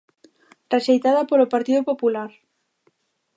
Rexeitada polo Partido Popular.